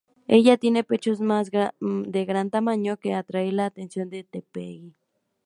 Ella tiene pechos de gran tamaño, que atraen la atención de Teppei.